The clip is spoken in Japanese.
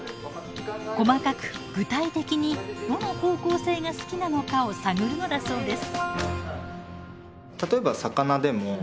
細かく具体的にどの方向性が好きなのかを探るのだそうです。